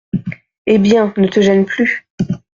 Eh bien, ne te gêne plus.